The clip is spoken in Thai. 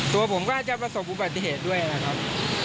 ตัวผมก็อาจจะประสบปฏิเหตุด้วยนะครับ